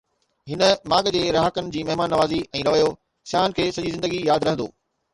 هن ماڳ جي رهاڪن جي مهمان نوازي ۽ رويو سياحن کي سڄي زندگي ياد رهندو.